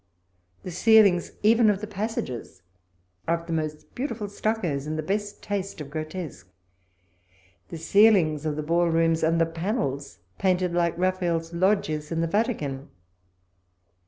The ceilings, even of the passages, are of the most beautiful stuccos in the best taste of grotesque. The ceilings of the ball rooms and the panels painted like llaphael's hiqijias in the Vatican.